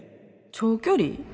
長距離？